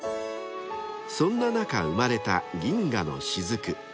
［そんな中生まれた銀河のしずく］